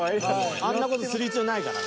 あんな事する必要ないからな。